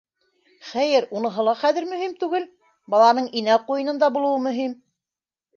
Хәйер, уныһы ла хәҙер мөһим түгел, баланың инә ҡуйынында булыуы мөһим.